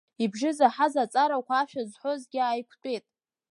Ибжьы заҳаз аҵарақәа ашәа зҳәозгьы ааиқәтәеит.